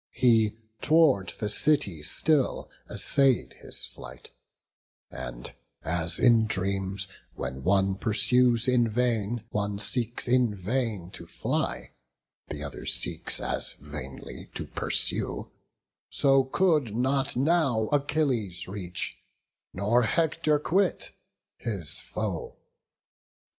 He tow'rd the city still essay'd his flight; And as in dreams, when one pursues in vain, One seeks in vain to fly, the other seeks As vainly to pursue; so could not now Achilles reach, nor Hector quit, his foe.